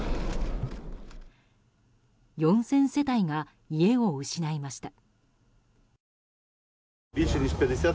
４０００世帯が家を失いました。